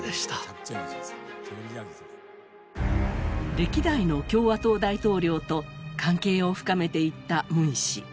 歴代の共和党大統領と関係を深めていったムン氏。